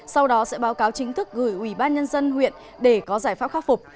sau đó sẽ báo cáo chính thức gửi ubnd huyện để có giải pháp khắc phục